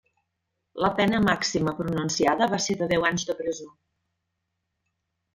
La pena màxima pronunciada va ser de deu anys de presó.